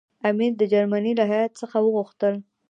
امیر د جرمني له هیات څخه وغوښتل.